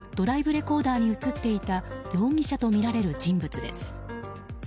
これは、犯行直後ドライブレコーダーに映っていた容疑者とみられる人物です。